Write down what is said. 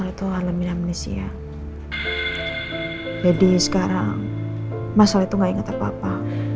dokter bilang kalau masalah itu anamnese ya jadi sekarang masalah itu enggak inget apa apa